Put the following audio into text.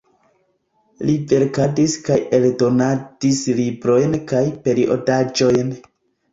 Li verkadis kaj eldonadis librojn kaj periodaĵojn.